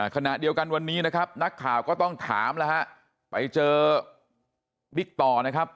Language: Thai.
ขณะเดียวกันวันนี้นะครับนักข่าวก็ต้องถามแล้วฮะไปเจอบิ๊กต่อนะครับ